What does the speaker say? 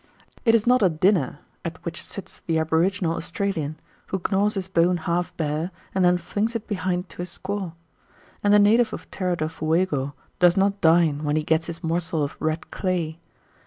It is not a dinner at which sits the aboriginal Australian, who gnaws his bone half bare and then flings it behind to his squaw. And the native of Terra del Fuego does not dine when he gets his morsel of red clay.